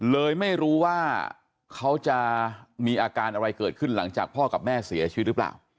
เลยไม่รู้ว่าเขาจะมีอาการอะไรเกิดขึ้นหลังจากพ่อกับแม่เสียชีวิตหรือเปล่า